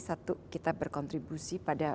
satu kita berkontribusi pada